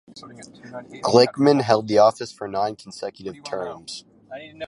Glickman held the office for nine consecutive terms.